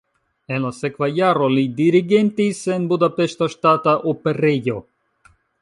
En la sekva jaro li dirigentis en Budapeŝta Ŝtata Operejo.